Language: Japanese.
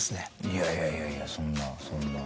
いやいやいやいやそんなそんな。